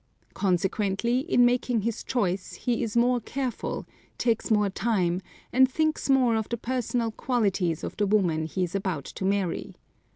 Consequently, in making his choice he is more careful, takes more time, and thinks more of the personal qualities of the woman he is about to marry.